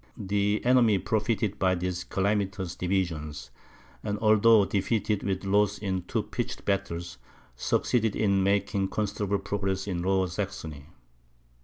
The enemy profited by these calamitous divisions; and although defeated with loss in two pitched battles, succeeded in making considerable progress in Lower Saxony.